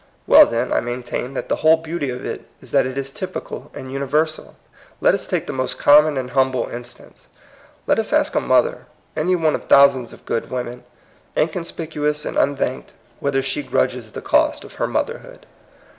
Well, then, I maintain that the whole beauty of it is that it is typical and universal. Let us take the most common and humble in stance. Let us ask a mother, any o^e of thousands of good women, inconspicuous and unthanked, whether she grudges the cost of her motherhood.